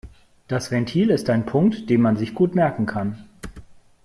Das Ventil ist ein Punkt, den man sich gut merken kann.